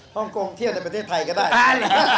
อ๋อฮ่องกงเที่ยวในประเทศไทยก็ได้